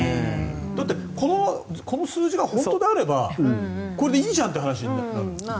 だってこの数字が本当であればこれでいいじゃんって話になる。